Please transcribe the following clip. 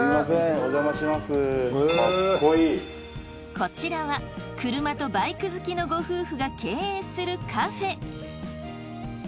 こちらは車とバイク好きのご夫婦が経営するカフェ。